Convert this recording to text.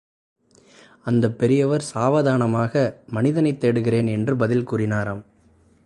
அந்தப் பெரியவர் சாவதானமாக, மனிதனைத் தேடுகிறேன் என்று பதில் கூறினாராம்.